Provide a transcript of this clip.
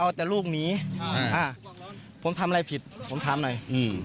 เอาแต่ลูกหนีผมทำอะไรผิดผมทำหน่อย